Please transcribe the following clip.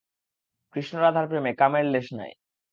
কৃষ্ণ-রাধার প্রেমে কামের লেশ নাই।